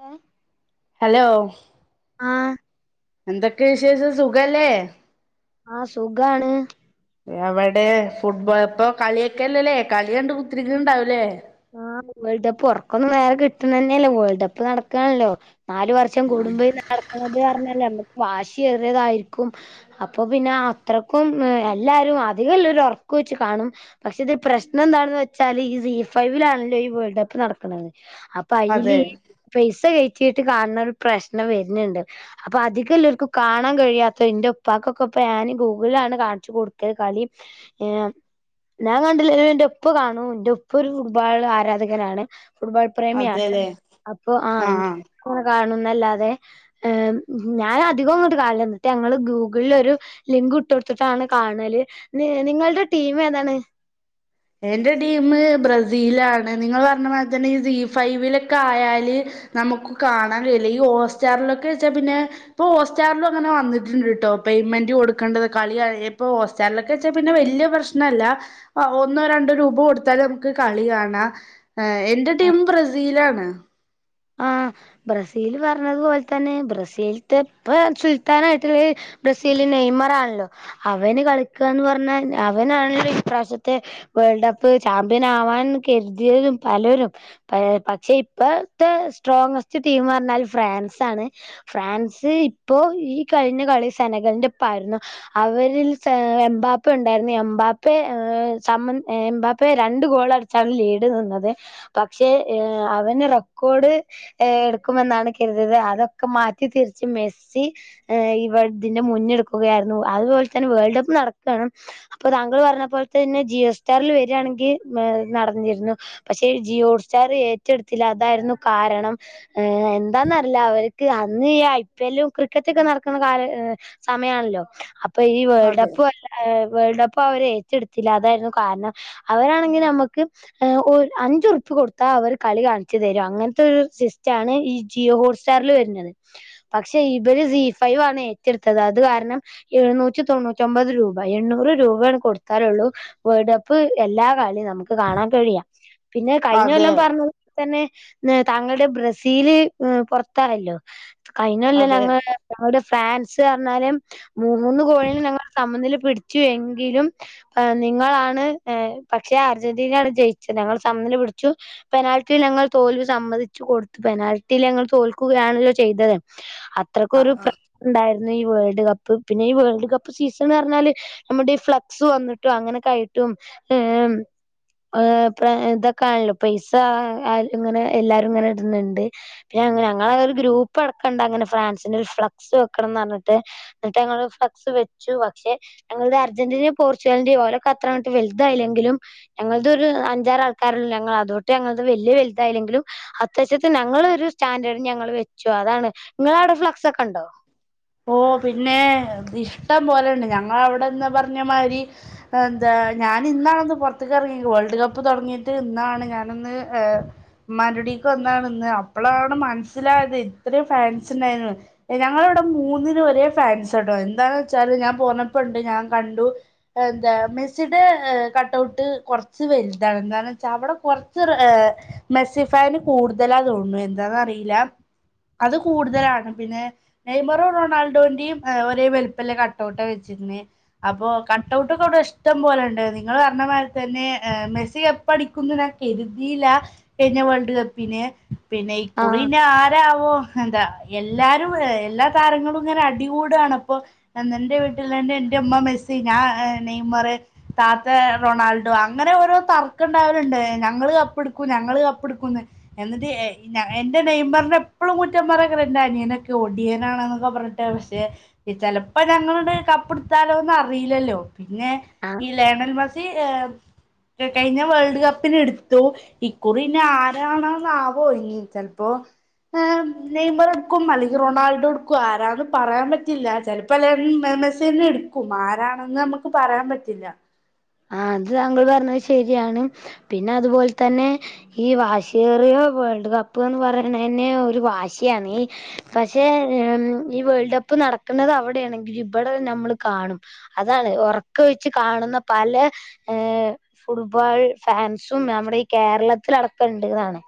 ഏഹ് hello ആഹ് എന്തൊക്കെ വിശേഷം സുഖല്ലേ ആഹ് സുഖാണ് എവടെ ഫുട്ബോൾ ഇപ്പോ കളിയൊക്കെല്ലല്ലേ കളിയണ്ട് കുത്തിരിക്കിണ്ടാവൂലേ ആഹ് വേൾഡ് കപ്പ് ഉറക്കൊന്നും വേറെ കിട്ട്ണെന്നെല്ലാ വേൾഡ് കപ്പ് നടക്കാണല്ലോ നാല് വർഷം വർഷം കൂടുമ്പഴ് നടക്ക്ണത് റ്ഞ്ഞാല് നമ്മക്ക് വാശിയേറിയതായിരിക്കും അപ്പൊ പിന്നെ അത്രക്കും എല്ലാരും അധികെല്ലാരും ഉറ്കൊയ്ച്ച് കാണും പക്ഷെ ഇത് പ്രശ്നം എന്താണെന്ന് വെച്ചാല് ഈ സീസണ് ഫൈവിലാണല്ലോ ഈ വേൾഡ് കപ്പ് നട്ക്ക്ണത് അപ്പൊ അയ്ല് അതെ പൈസ കേയ്റ്റിട്ട് കാണ് ണോരു പ്രശ്നം വര്ന്ണ്ട് അപ്പൊ അധികംല്ലാർക്കു കാണാൻ കഴിയാത്തെ എന്റെ ഉപ്പാക്കൊക്കെ ഇപ്പ ഞാനും ഗൂഗിളിലാണ് കാണിച്ചു കൊടുക്കല് കളി ഏഹ് ഞാൻ കണ്ടില്ലേലും എന്റെ ഉപ്പ കാണൂ എൻ്റൊ ഇപ്പൊ ഒരു ഫുട്ബോളാ ആരാധകരാണ് ഫുട്ബോൾ പ്രേമിയാണ് അതെല്ലേ അപ്പൊ ആഹ് കൊറെ കാണുന്നല്ലാതെ ഞാൻ അധികോം അങ്ങോട്ട് കാണൂലാ എന്നിട്ട് ഞങ്ങള് ഗൂഗിളിലൊരു- ലിങ്ക് ഇട്ടൊടുത്തിട്ടാണ് കാണല് നി നിങ്ങളുടെ ടീമേതാണ് എന്റെ ടീമ് ബ്രസീലാണ് നിങ്ങള് പറഞ്ഞ പോലതന്നെ ഈ സി ഫൈവിലൊക്കെ ആയാല് നമ്മുക്ക് കാണാൻ കഴില്ലാ ഈ ഓസ്റ്റാറിലൊക്കെ വെച്ചാ പിന്നെ ഇപ്പൊ ഹോസ്റ്റാറിലും അങ്ങനെ വന്നിട്ടുണ്ട് കേട്ടോ പെയ്മെന്റ് കൊടുക്കേണ്ടത് കളിയായപ്പോ ചെന്നിട്ട് വെച്ചാ പിന്നെ വല്യ പ്രശ്‌നല്ല ഒന്നോ രണ്ടോ രൂപ കൊടുത്താല് നമ്മക്ക് കളി കാണാ എന്റെ ആ ടീം ബ്രസീലാണ് ആഹ് ബ്രസീല് പറഞ്ഞതു പോലെതന്നെ ബ്രസീലത്തെ ഇപ്പ സുൽത്താനായിട്ടുള്ളത് ബ്രസീല് നെയ്മറാണല്ലോ അവന് കളിക്കാന്ന് പറഞ്ഞാ അവനാണല്ലോ ഇപ്രാവശ്യത്തെ വേൾഡ് കപ്പ് ചാമ്പ്യൻ ആവാൻ കരുതിയവരും പലരും പ പക്ഷെ ഇപ്പ ത്തെ സ്ട്രോങ്ങസ്റ്റ് ടീമറഞ്ഞാൽ ഫ്രാൻസാണ് ഫ്രാൻസ് ഇപ്പോ ഈ കഴിഞ്ഞ കളി സേനകൾൻ്റൊപ്പാരുന്നു അവരിൽ സേ എംമ്പാപ്പ ഒണ്ടായിരുന്നു എംബാപ്പ ഏഹ് സമൻ എംബാപ്പയെ രണ്ട് ഗോളടി- ച്ചാണ് ലീട് നിന്നത് പക്ഷേ ഏഹ് അവന് റെ ക്കോട് എടുക്കുമെന്നാണ് കരുതീയത് അതൊക്കെ മാറ്റി തിരിച്ച് മെസി ഏഹ് ഇവ ഇതിന് മുന്നെടുക്കുകയാരുന്നു അതുപോലെ തന്നെ വേൾഡ് കപ്പ് നടക്കു ആണ് അപ്പൊ താങ്കൾ പറഞ്ഞ പോലെ തന്നെ ജിയോ സ്റ്റാറിൽ വരിയാണെങ്കിൽ നടന്നിരുന്നു പക്ഷെ ജിയോ ഹോട്ട് സ്റ്റാറെറ്റെടുത്തില്ല അതാരുന്നു കാരണം ഏഹ് എന്താന്നറില്ല അവർക്ക് അന്ന് ഈ ഐ പി എല്ലും ക്രിക്കറ്റു ഒക്കെ നടക്കുന്ന കാല- സമയാണല്ലോ അപ്പൊ ഈ വേൾഡ് അതെ കപ്പ് വല്ല- അഹ് വേൾഡ് കപ്പ് അവരേറ്റെടുത്തില്ല അതാരുന്നു കാരണം അവരാണെങ്കി നമ്മക്ക് ഒര് അഞ്ചുറുപ്പിയ കൊടുത്താ അവര് കളി കാണി- ച്ച്തരും അങ്ങനത്തെ ഒരു സിസ്റ്റാണ് ഈ ജിയോ ഹോട്ട് സ്റ്റാറിൽ വെരുന്നത് പക്ഷെ ഇബര് സി ഫൈവണ് ഏറ്റെടുത്തത് അത് കാരണം എഴുന്നൂറ്റി തൊണ്ണൂറ്റൊമ്പത് രൂപ എണ്ണൂറ് രൂപ കൊടുത്താലൊള്ളൂ വേൾഡ് കപ്പ് എല്ലാ കളി നമ്മക്ക് കാണാൻ കഴിയാ പിന്നെ അതെ കഴിഞ്ഞൊല്ലം പറഞ്ഞു തന്നെ താങ്കൾടെ ബ്രസീല് പൊറത്തായല്ലോ കയ്ഞ്ഞൊല്ലം അതെ ഞങ്ങ ഞങ്ങളുടെ ഫ്രാൻസ് പർഞ്ഞാല് മൂന്ന് ഗോളിന് ഞങ്ങൾ സമനില പിട്ച്ചു എങ്കിലും എ നിങ്ങളാണ് എ പക്ഷേ അർജന്റീനേണ് ജയ്ച്ചത് ഞങ്ങൾ സമനില പിട്ച്ചു പെനാ ട്ടി ഞങ്ങൾ തോൽവി സമ്മതിച് കൊട്ത്തു പെനാൽറ്റീലങ്ങള് തോൽക്കുകയാണല്ലോ ചെയ്തത് അ ആ അത്രയ്ക്കൊരു പ്ര ഇണ്ടാര്ന്നു ഈ വേൾഡ് കപ്പ് പിന്നെ ഈ വേൾഡ് കപ്പ് സീസണർഞ്ഞാല് നമ്മുടെ ഈ ഫ്ലക്സ് വന്നിട്ടും അങ്ങനൊക്കായിട്ടും ഏം ഏ പ്പ ഇതൊക്കാണല്ലോ പൈസ ഏഹ് ഇങ്ങനെ എല്ലാരുങ്ങനെട്ണണ്ട് പിന്നെങ്ങനെ ഞങ്ങള ഒര് ഗ്രൂപ്പടക്കണ്ട് അങ്ങനെ ഫ്രാൻസിൻ്റൊര് ഫ്ലെക്സ് വെക്കണംന്നർഞ്ഞിട്ട് ഇന്നിട്ടങ്ങള് ഫ്ലക്സ് വെച്ചു പക്ഷെ ഞങ്ങൾത് അർജന്റീനിം പോർച്ചുഗൽന്റിം ഓലൊക്കത്രങ്ങട്ട് വൽതായില്ലെങ്കിലും ഞങ്ങൾതൊര് അഞ്ചാറൾക്കാരല്ലെ ഞങ്ങള് അതോട്ട് ഞങ്ങൾത് വല്ല്യ വൽതായില്ലെങ്കിലും അത്യാവശ്യത്തിന് ഞങ്ങളൊര് സ്റ്റാൻഡേർഡ്ന് ഞങ്ങള് വെച്ചു അതാണ്. ഇങ്ങളവ്ടെ ഫ്ലക്സൊക്കെണ്ടോ? ഓഹ് പിന്നെ ഇഷ്ടം പോലെണ്ട് ഞങ്ങളവ്ടെന്ന് പർഞ്ഞ മാരി എന്താ ഞാനിന്നാണൊന്ന് പൊർത്ത് ക്കെർങ്ങി വേൾഡ് കപ്പ് തൊട്ങ്ങീട്ട് ഇന്നാണ് ഞാനൊന്ന് ഏഹ് ഇമ്മാൻ്റുടീക്ക് വന്നാണ്ന്ന് അപ്പളാണ് മൻസ്സിലായത് ഇത്രിം ഫാൻസ്ണ്ടായ്നു ഞങ്ങളവിടെ മൂന്നിനു ഒരേ ഫാൻസാട്ടോ എന്താന്ന് വെച്ചാല് ഞാൻ പോന്നപ്പണ്ട് ഞാൻ കണ്ടു എന്താ മെസ്സിടെ കട്ടൗട്ട് കൊർച്ച് വൽതാണ് എന്താണ്ച്ചാ അവ്ടെ കൊർച്ച് ഏ മെസ്സി ഫാന് കൂട്തലാ തൊന്ന്ണു എന്താന്നറീല്ല അത് കൂട്തലാണ് പിന്നെ നെയ്മറു റൊണാൾഡോന്റിം എ ഒരേ വൽപ്പല്ല കട്ടൗട്ടാ വച്ചിര്ന്ന് അപ്പൊ കട്ടൗട്ടൊക്കവ്ടെ ഇഷ്ടം പോലെണ്ട് നിങ്ങള് പർഞ്ഞ മാരി ത്തന്നെ ഏ മെസ്സി എ പ്പടിക്കുന്ന് ഞാൻ കര്തീല കയ്ഞ്ഞ വേൾഡ് കപ്പിന് പിന്നെ ആഹ് ഇക്കുറീനാരാവോ എന്താ എല്ലാരും ഏ എല്ലാ താരങ്ങളുംങ്ങനെ അടികൂടാണ്പ്പൊ എന്തന്റെ വീട്ടിലന്നെ ഇന്റെമ്മ മെസ്സി ഞാ നെയമറ് താത്ത റൊണാൾഡോ അങ്ങനെ ഓരോ തർക്കണ്ടാവല്ണ്ട് ഞങ്ങള് കപ്പ്ട്ക്കും ഞങ്ങള് കപ്പെടുക്കുന്ന് എന്നിട്ട് എ എന്റെ നെയ്മർനെ എപ്പളും കുറ്റം പറയ്ക്കാരം എന്റെനിയനൊക്കെ ഒ ടിയനാണെന്ന് പർഞ്ഞിട്ട് പക്ഷെ ചെലപ്പോ ഞങ്ങളണ്ട് കപ്പ്ട്ത്താലോന്നറീല്ലല്ലോ പിന്നെ ആ ഈ ലയണൽ മെസ്സി ഏ കയ്ഞ്ഞ വേൾഡ് കപ്പിലെടുത്തു ഇക്കുറിന്നാരാണാന്നാവോ ഇനി ചെൽപ്പോ ഏം നെയ്മറ്ട്ക്കും അല്ലെ റൊണാൾഡോട്ക്കു ആരാന്ന് പറയാൻ പറ്റില്ല ചെൽപ്പൊ ലയൺ മെസ്സിയെന്നെട് ക്കും ആരാണെന്ന് നമ്മക്ക് പറയാൻ പറ്റില്ല ആഹ് അത് താങ്കള് പർഞ്ഞത് ശരിയാണ് പിന്നത്പോൽ തന്നെ ഈ വാശിയേറിയ വേൾഡ് കപ്പ്ന്ന് പറയണന്നെ ഒര് വാശിയാണ് ഈ പക്ഷേ ഈ വേൾഡ് കപ്പ് നട്ക്കുന്നതവ്ടേണെങ്കിൽ ഇവിടെ നമ്മള് കാണും അതാണ് ഒറക്കെ വെച്ച കാണുന്ന പല ഏ ഫുട്ബാൾ ഫാൻസും നമ്മുടെ ഈ കേരളത്തിലടക്കണ്ട്ന്നാണ്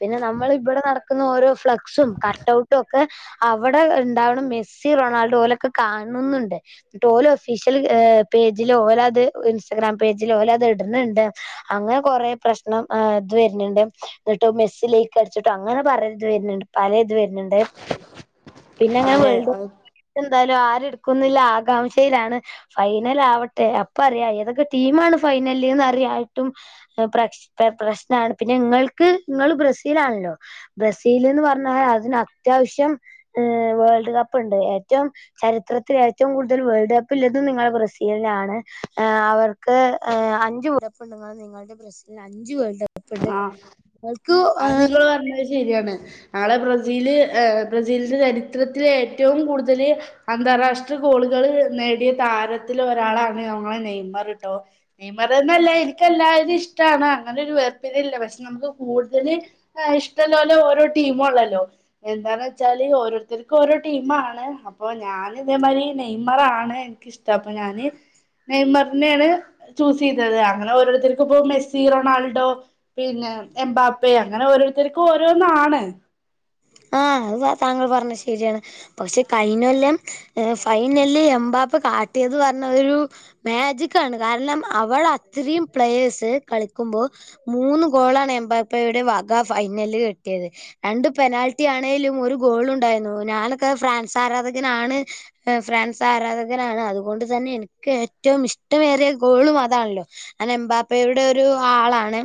പിന്നെ നമ്മളിവിടെ നടക്കന്ന ഓരോ ഫ്ലക്സും കട്ടൗട്ടും ഒക്കെ അവിടെ ഇണ്ടാവ്ണ മെസ്സി റൊണാൾഡോ പോലൊക്കെ ലൊക്കെ കാണുന്ന്ണ്ട് ട്ടോലെ ഒഫീഷ്യൽ ഏ പേജിലോ ഓലത് ഇൻസ്റ്റാഗ്രാം പേജിലോ ഓലത് ഇട്ണണ്ട് അങ്ങനെ കൊറേ പ്രശ്നം എ ഇത് വര്ന്ണ്ട് എന്നിട്ട് മെസ്സി ലൈക്കട്ച്ചിട്ടും അങ്ങനെ കൊറേത് വരുന്ന്ണ്ട് പല ഇത് വര്ന്ന്ണ്ട് പിന്നങ്ങനെ അതെ വേൾഡ് കപ്പ് അത് എന്തായാലും ആരെട്ക്കുന്ന്ള്ള ആകാംക്ഷയിലാണ് ഫൈനലാവട്ടെ ഇപ്പർയാ ഏതൊക്കെ ടീമാണ് ഫൈനല്ന്ന് അറിയായിട്ടും പ്ര പ്ര പ്രശ്നാണ് പിന്നെങ്ങൾക്ക് ഇങ്ങള് ബ്രസീലാണല്ലോ ബ്രസീല്ന്ന് പർഞ്ഞാൽ അതിനത്യാവശ്യം ഏ വേൾഡ് കപ്പ്ണ്ട് ഏറ്റവും ചരിത്രത്തിലേറ്റവും കൂട്തല് വേൾഡ് കപ്പ് ള്ളതും നിങ്ങളെ ബ്രസീലിനാണ് ഏ അവർക്ക് ഏ അഞ്ച് വേൾഡ് കപ്പ്ണ്ട് നിങ്ങള് നിങ്ങൾടെ ബ്രസ്സിലിന് അഞ്ച് വേൾഡ് കപ്പ് ഉണ്ട് ആഹ. [inaudible] അത് ങ്ങള് പറഞ്ഞത് ശെരിആണ്. നാളെ ബ്രസീല് ബ്രസീൽന്റെ ചരിത്രത്തില് ഏറ്റവും കൂട്തല് അന്താരാഷ്ട്ര ഗോളുകള് നേടിയ താരത്തില് ഒരാളാണ് ഞമ്മളെ നെയ്മറ്ട്ടോ. നെയ്മറന്നല്ല എനിക്ക് എല്ലാരി ഇഷ്ട്ടാണ് അങ്ങനെ ഒരു വേർതിരില്ല പഷെ നമുക്ക് കൂ തല് ഇഷ്ടല്ലോലെ ഓരോ ടീമു ഉള്ള ല്ലോ. എന്താന്ന് വെച്ചാല് ഓരോരുത്തർക്കും ഓരോ ടീമാണ്. അപ്പൊ ഞാൻ ഇതേമായ്രി നെയ്മറാണ് എനിക്കിഷ്ട്ടം അപ്പൊ ഞാന് നെയമറിനെയാണ് ചൂസ് ചെയ്തത് അങ്ങനെ ഓരോരുത്തർക്ക്പ്പോ മെസ്സി റൊണാൾഡോ പിന്നെ എമ്പാപ്പെ അങ്ങനെ ഓരോരുത്തർക്കും ഓരോന്നാണ്. ആഹ് അഹ് താങ്കൾ പർണഹ് ശെരി ആണ്. പഷെ കൈഞോല്ലം ഫൈനല്ല് എമ്പാപ്പ കാട്ട്യത് പർണോരു മേജിക്കാണ് കാര്ണം അവൾ അത്രയും പ്ലേയേഴ്സ് കളിക്കുമ്പോ മൂന്ന് ഗോളാണ് എംബാപ്പയുടെ വക ഫൈനല്ല് കിട്ടിയത് രണ്ട് പെനാൽ റ്റി ആണേലും ഒരു ഗോൾ ഉണ്ടായിരുന്നു ഞാനൊക്കെ ഫ്രാൻസ് ആരാധകനാണ് എഹ് ഫ്രാൻസ് ആരാധകനാണ് അതുകൊണ്ട് തന്നെ എനിക്ക് ഏറ്റവും ഇഷ്ടമേറിയ ഗോളും അതാൺല്ലോ. അതെ എമ്പാപ്പയുടോരു ആളാണ്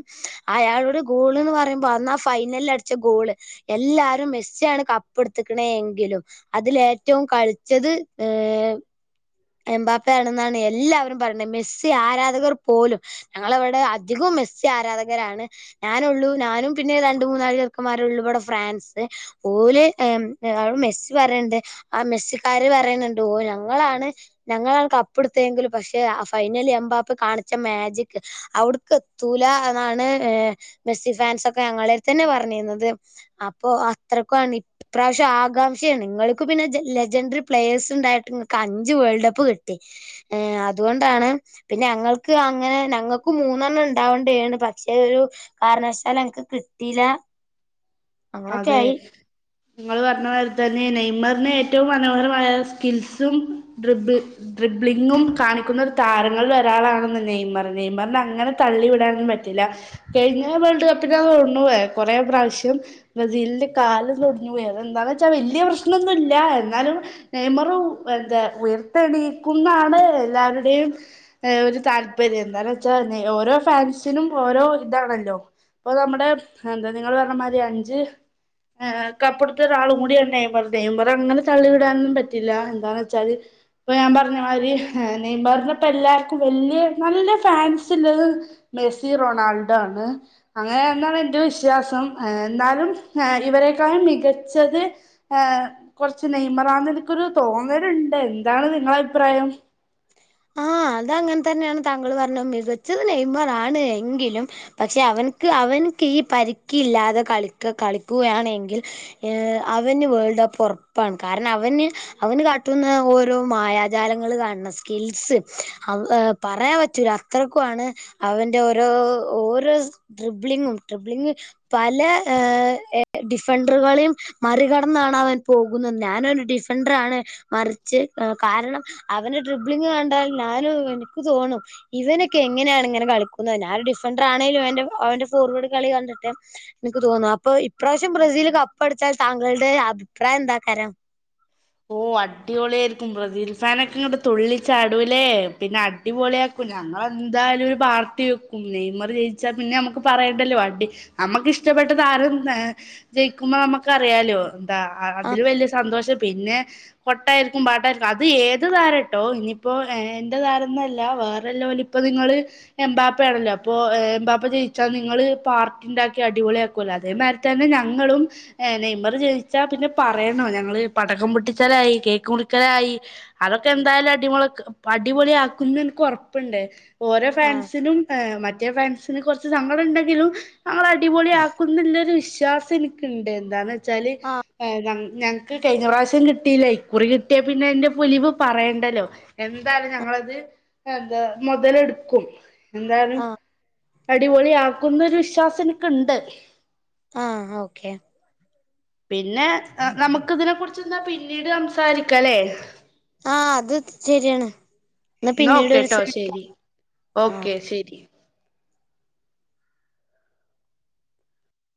അയാളുടെ ഗോള്ന്ന് പറയുമ്പോ അന്ന് ആ ഫൈനല്ല് അടി ച്ച ഗോള് എല്ല മെസ്സിആണ് കപ്പ് എട്ത്ത്ക്ക്ണെങ്കിലും അതില് ഏറ്റവും കളിച്ചത് എം എമ്പാപ്പ ആണെന്നാണ് എല്ലാവരും പറയ്ണെഹ് മെസ്സി ആരാധകർ പോലും ഞങ്ങളവടെ അധികും മെസ്സി ആരാധകരാണ് ഞാനോ ള്ളൂ ഞാനും പിന്നെ രണ്ട് മൂന്നാല് ചെക്കമാരു ഉള്ളു ഇവടെ ഫ്രാൻസ് ഓല് ഏഹ് ഏ ഹ് മെസ്സി പറയ്ണ്ട് ആ മെസ്സിക്കാര് പറയ്ണ്‌ണ്ട് ഓ ഞങ്ങളാണ് ഞങ്ങള ആണ് കപ്പെടുത്തെങ്കിലും പഷെ ഫൈനലി എമ്പാപ്പ കാണിച്ച മാജിക് ഔട്ക്ക് എത്തൂല ന്നാണ് മെസ്സി ഫാൻസ് ഒക്കെ ഞങ്ങളെട് തന്നെ പർണീനത് അപ്പൊ അത്രക്കാണി. ഇപ്രാവശ്യം ആകാംക്ഷയാണ് നിങ്ങൾക്ക് പിന്നെ ജെ ലജൻട്രി പ്ലേയേഴ്‌സ്ണ്ടായിട്ട് ഇങ്ങക്ക് അഞ്ച് വേൾഡപ് പ്പ് കിട്ടി ഏഹ് അതുകൊണ്ടാണ് പിന്നെ ഞങ്ങൾക്ക് അങ്ങനെ ഞങ്ങക്കും മൂന്നെണ്ണം ണ്ടാവഡ്യെണ് പക്ഷെ ഒരു കാരണ വശാൽ അൻക്ക് കിട്ടീല്ല. അതെ. ഇങ്ങള്പർണമായ്രി തന്നെ നൈമർന്ന് ഏറ്റവും മനോഹരമായ സ്കിൽസും ഡ്രിബ് ഡ്രിബ്ലിങ്ങും കാണിക്കുന്ന ഒരു താരങ്ങളിൽ ഒരാളാണെന്ന് നെയ്മർ നെയ്മർന്നെ അങ്ങനെ തള്ളിവിടാനോന്നും പറ്റില്ല കയ്ഞ്ഞ വേൾഡ് കപ്പിന തോണു കൊറെ പ്രാവശ്യം ബ്രസീൽന്റെ കാല് [unintelligible] വേദന എന്താന്ന് ച്ചാ വെല്ല്യ പ്രശ്ന്നോന്നുല്ല്യ എന്നാലും നെയ്മറു എന്താ ഉയർത്തെണീക്കും ന്നാണ് എല്ലാരുടെയും ഏഹ് ഒര് താല്പര്യം എന്താന്നച്ചാ നെ ഓരോ ഫാൻസിനും ഓരോ ഇതാണല്ലോ. ഇപ്പൊ നമ്മുടെ എന്താ നിങ്ങൾ പർണമാരി അഞ്ച് ഏഹ് കപ്പ്ടുത്ത ഒരാളു കൂടിയാണ് നെയ്മറ് നെയ്മർ അങ്ങനെ തള്ളി വിടാനൊന്നും പറ്റില്ല എന്താന്ന് ച്ചാല് ഇപ്പൊ ഞാൻ പർഞ മായ്രി നെയ്മർണെ പ്പ എല്ലാർക്കും വല്യ നല്ല ഫാൻസ് ല്ലത് മെസ്സി റൊണാൾഡോ ആണ് അങ്ങനെ എന്നാണ് എന്റെ വിശ്വാസം എന്നാലും ഏഹ് ഇവരെക്കാളും മികച്ചത് ഏഹ് കൊർച്ച് നെയ്‌മറാ ന്ന് എനിക്കൊരു തോന്നല്ണ്ട് എന്താണ് നിങ്ങളെ അയിപ്രായം? ആഹ് അതങ്ങൻതന്നെണ് താങ്കൾ പർണത് മികച്ചത് നെയ്മറാണ് എങ്കിലും പക്ഷെ അവൻക്ക് അവൻക്ക് ഈ പരിക്ക് ഇല്ലാതെ കളിക്ക കളിക്കുകയാണെങ്കിൽ ഏഹ് അവന്ന് വേൾഡ് കപ്പ് ഒറപ്പാണ് കാര്ണം അവന്ന് അവന് കാട്ടുന്ന ഓരോ മായ ജാലങ്ങള് കാണം സ്കിൽസ് അള് പറയാ പറ്റൂല്ല അത്രക്കു ആണ് അവന്റെ ഓരോ ഓരോ ട്രിബിളിങ്ങും ട്രിബിളിംഗ് പല ഏഹ് ഡിഫണ്ട്രകളീം മറികടന്നാണ് അവൻ പോകുന്നത് ഞാനൊരു ഡിഫൻണ്ട്രാണ് മറിച്ച് കാരണം അവന്റെ ഡട്രിബ്ളിങ് കണ്ടാൽ ഞാനും എനിക്ക് തോന്നും ഇവനൊക്കെ എങ്ങനെയാണ് ഇങ്ങനെ കളിക്കുന്നത് ഞാ ഒരു ഡിഫൻഡർ ആണെലും അവന്റെ അവന്റെ ഫോർവേർഡ് കളി കണ്ടിട്ട് എനിക്ക് തോന്നു അപ്പൊ ഇപ്രാവശ്യം ബ്രസീല് കപ്പ അടിച്ചാൽ താങ്കളുടെ അഭിപ്രായം എന്താ കരാം ഓ അടിപൊളായിരിക്കും ബ്രസീൽ ഫാനൊക്കെ ഇങ്ങട്ട് തുള്ളിചാടൂലെ പിന്നെ അടിപൊളിയാക്കും ഞങ്ങളെന്തായാലും ഒരു പാർട്ടി വെക്കും നെയ്മറ് ജയിച്ചാ പിന്നെ നമക്ക് പറയേണ്ടല്ലോ വണ്ടി നമ്മക്ക് ഇഷ്ടപ്പെട്ട താരം ഏഹ് ജയിക്കുമ്പോ നമ്മക്കറിയാലോ എന്താ ആ അതില് വല്യ സന്തോഷം പിന്നെ കൊട്ടായിരിക്കും പാട്ടായിരിക്കും അത് ഏത് താരട്ടോ ഇനിയിപ്പോ എന്റെ താരന്നല്ല വേറെല്ലോല് അപ്പൊ നിങ്ങള് എംമ്പാപ്പ ആണല്ലോ അപ്പോ ഏഹ് എംമ്പാപ്പ ജയിച്ചാൽ നിങ്ങള് പാർട്ടി ഉണ്ടാക്കി അടിപൊളിയാക്കുവല്ലോ അതേമാരി തന്നെ ഞങ്ങളും നെയ്മറ് ജയിച്ചാ പിന്നെ പറയണോ ഞങ്ങള് പടക്കം പൊട്ടിച്ചലായി കേക്ക് മുറിക്കലായി അതൊക്കെ എന്തായാലും അടിമൊളക് അടിപൊളി ആക്കുന്ന് എനിക്ക് ഉറപ്പുണ്ട് ഓരോ ആ ഫ്രാൻസിനും ഏഹ് മറ്റേ ഫാൻസിന് കുറച്ച് സങ്കട ഉണ്ടെങ്കിലും ഞങ്ങള് അ അടിപൊളിയാക്കുന്നുല്ലൊരു വിശ്വാസം എനിക്ക്ണ്ട് എന്താന്നച്ചാൽ ആ ഏഹ് ഞങ്ങ്ക്ക് കയിഞ്ഞ പ്രാവശ്യം കിട്ടിയില്ലെ ഇക്കുറി കിട്ടിയാ പിന്നെ അയിന്റെ പുലിവ് പറണ്ടല്ലോ എന്തായാലും ഞങ്ങളത് എന്താ മുതലെടുക്കും എന്താലും ആ അടിപൊളി ആക്കുന്നൊരു വിശ്വാസം എനിക്ക്ണ്ട് ആഹ് ഓക്കെ പിന്നെ നമുക്ക് ഇതിനെ കുറിച്ച്ന്നാ പിന്നീട് സംസാരിക്കല്ലേ ആഹ് അത് ശരിയാണ് എന്നാ പിന്നീട് ഓക്കേട്ടോ ഒരുസം വിളിക്കാ ശരി ഓക്കെ ശരി